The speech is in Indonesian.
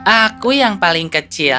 aku yang paling kecil